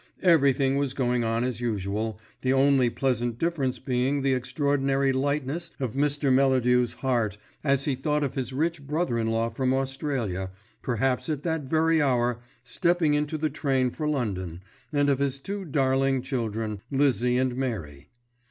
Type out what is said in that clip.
Everything was going on as usual, the only pleasant difference being the extraordinary lightness of Mr. Melladew's heart as he thought of his rich brother in law from Australia, perhaps at that very hour stepping into the train for London, and of his two darling children, Lizzie and Mary.